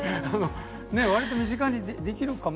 わりと身近にできるかな。